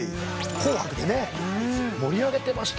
『紅白』でね盛り上げてましたもんね。